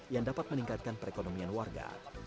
yang dapat meningkatkan perekonomian warga